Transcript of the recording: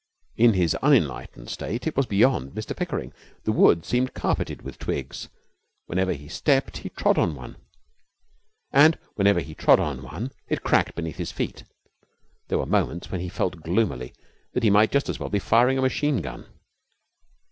In his unenlightened state it was beyond Mr Pickering. The wood seemed carpeted with twigs. Whenever he stepped he trod on one, and whenever he trod on one it cracked beneath his feet. There were moments when he felt gloomily that he might just as well be firing a machine gun.